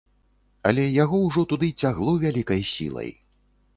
Але яго ўжо туды цягло вялікай сілай.